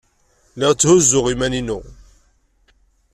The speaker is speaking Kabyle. Lliɣ tthuzzuɣ iman-inu.